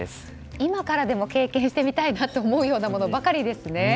今からでも経験してみたいなと思うようなものばかりですね。